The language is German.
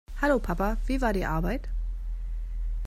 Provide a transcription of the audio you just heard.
Hallo, Papa. Wie war die Arbeit?